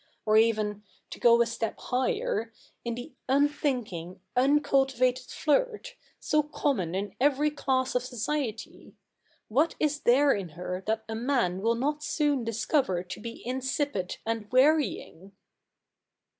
Or even, to go a step higher, in the unthinking, uncultivated flirt, so common in every class of society— what is there in her that a man will not soon discover to be insipid and wearying?'